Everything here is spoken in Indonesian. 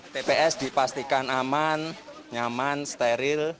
tps dipastikan aman nyaman steril